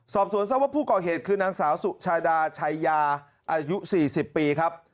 สอบสวนทราบว่าผู้ก่อเหตุคือนางสาวสุชาดาชัยยาอายุ๔๐ปีครับ